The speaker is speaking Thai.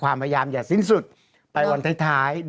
ความยามจะสิ้นสุดไปวันท้ายท้าย